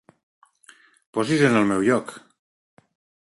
Posi's en el meu lloc!